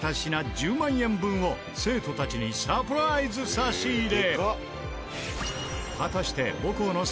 １０万円分を生徒たちにサプライズ差し入れ。